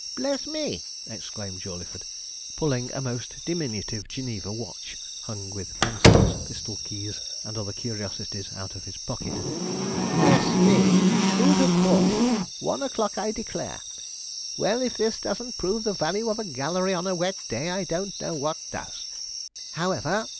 'Bless me!' exclaimed Jawleyford, pulling a most diminutive Geneva watch, hung with pencils, pistol keys, and other curiosities, out of his pocket; 'Bless me, who'd have thought it? One o'clock, I declare! Well, if this doesn't prove the value of a gallery on a wet day. I don't know what does.